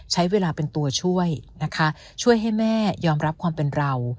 ใช้เวลาเป็นตัวช่วยนะคะช่วยให้แม่ยอมรับความเป็นเรา